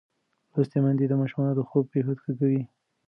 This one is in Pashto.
لوستې میندې د ماشومانو د خوب کیفیت ښه کوي.